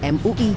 mui jawa barat